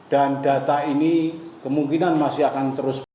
dan data ini kemungkinan masih akan terus berjalan